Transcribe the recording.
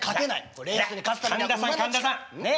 いや神田さん神田さん。ね？